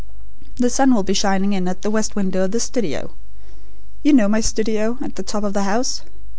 The sun will be shining in at the west window of the studio. You know my studio at the top of the house?